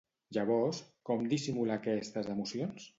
Llavors, com dissimula aquestes emocions?